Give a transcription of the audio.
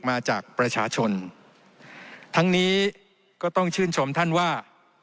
มาจากประชาชนทั้งนี้ก็ต้องชื่นชมท่านว่า